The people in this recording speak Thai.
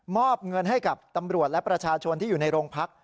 อบเงินให้กับตำรวจและประชาชนที่อยู่ในโรงพัก